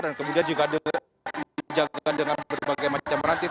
dan kemudian juga ada gerbang yang dijaga dengan berbagai macam gratis